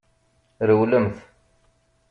Rewlemt!